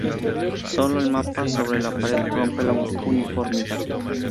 Sólo el mapa sobre la pared rompe la uniformidad.